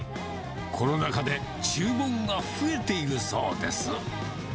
コロナ禍で注文が増えているそうです。